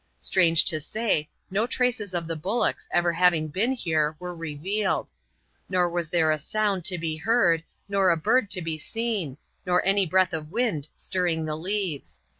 Strange to say, no traces of the bullocks ever having been here were revealed. Nor was there a sound to be heard, nor a bird to be seen, nor any breath of wind stirring the leaves.